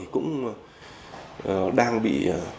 cũng đang bị